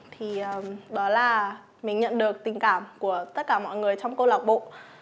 thì đó là mình nhận được tình cảm của tất cả mọi người trong câu lạc bộ